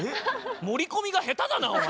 盛り込みが下手だなお前。